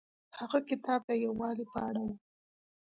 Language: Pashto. هغه کتاب د یووالي په اړه و.